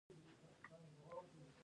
آیا ټاپي به بشپړه شي؟